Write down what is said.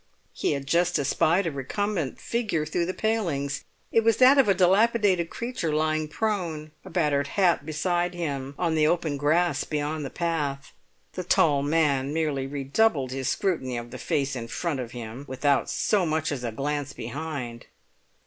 He had just espied a recumbent figure through the palings; it was that of a dilapidated creature lying prone, a battered hat beside him, on the open grass beyond the path. The tall man merely redoubled his scrutiny of the face in front of, him, without so much as a glance behind.